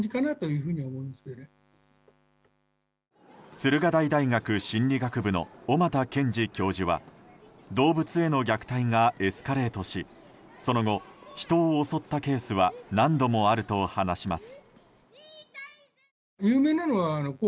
駿河台大学心理学部の小俣謙二教授は動物への虐待がエスカレートしその後、人を襲ったケースは何度もあると話します。